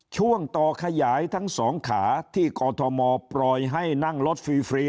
ช่วงต่อขยายทั้งสองขาที่กอทมปล่อยให้นั่งรถฟรี